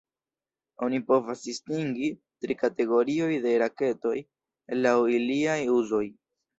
Oni povas distingi tri kategorioj de raketoj laŭ iliaj uzoj.